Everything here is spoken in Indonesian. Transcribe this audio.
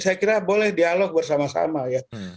saya kira boleh dialog bersama sama ya